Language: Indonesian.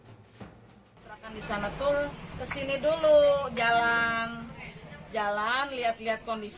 pelaku disana turun kesini dulu jalan